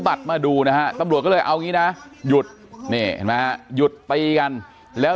บัตรมาดูนะฮะตำรวจก็เลยเอางี้นะหยุดมีนะหยุดไปกันแล้ว